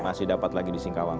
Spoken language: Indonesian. masih dapat lagi di singkawang